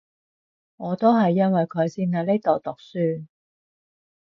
我都係因為佢先嚟呢度讀書